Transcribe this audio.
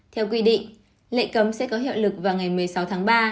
theo quy định lệnh cấm sẽ có hiệu lực vào ngày một mươi sáu tháng ba